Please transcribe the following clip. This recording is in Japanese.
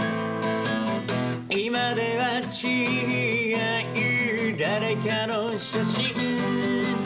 「今では違う誰かの写真」